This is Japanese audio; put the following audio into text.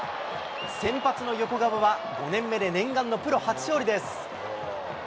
先発の横川は５年目で念願のプロ初勝利です。